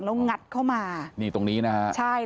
ทำเป็นแบบแกล้งลุกขึ้นมาหาโดยการอีกโปรสัตว์